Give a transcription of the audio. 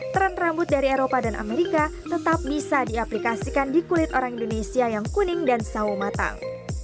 tren rambut dari eropa dan amerika tetap bisa diaplikasikan di kulit orang indonesia yang kuning dan sawo matang